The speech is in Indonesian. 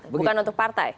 bukan untuk partai